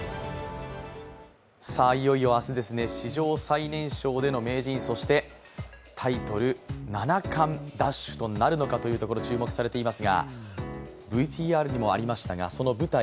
いよいよ明日、史上最年少での名人、そしてタイトル七冠奪取となるのかというところが注目されています。